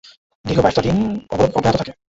দীর্ঘ বাইশ দিন অবরোধ অব্যাহত থাকে।